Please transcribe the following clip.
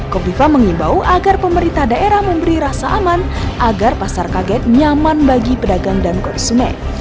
kofifa mengimbau agar pemerintah daerah memberi rasa aman agar pasar kaget nyaman bagi pedagang dan konsumen